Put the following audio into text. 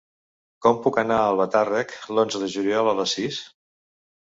Com puc anar a Albatàrrec l'onze de juliol a les sis?